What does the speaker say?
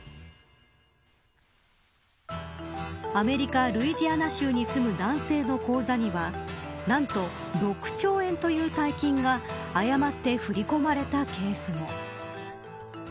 アメリカ、ルイジアナ州に住む男性の口座には何と６兆円という大金が誤って振り込まれたケースも。